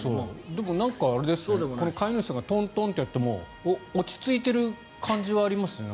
でもなんかこの飼い主さんがトントンってやっても落ち着いている感じはありますね。